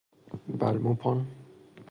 بلموپان